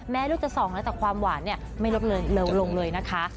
ลูกจะส่องแล้วแต่ความหวานเนี่ยไม่ลดเร็วลงเลยนะคะ